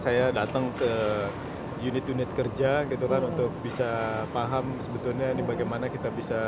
saya datang ke unit unit kerja gitu kan untuk bisa paham sebetulnya ini bagaimana kita bisa